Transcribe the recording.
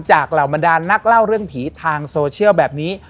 เหล่าบรรดานนักเล่าเรื่องผีทางโซเชียลแบบนี้